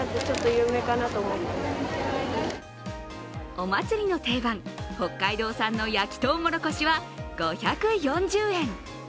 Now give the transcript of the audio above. お祭りの定番、北海道産の焼きとうもろこしは５４０円。